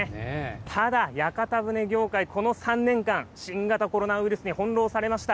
ただ、屋形船業界、この３年間、新型コロナウイルスに翻弄されました。